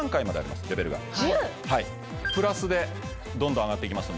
１０⁉プラスでどんどん上がっていきますんで。